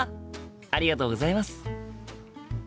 ありがとうございます。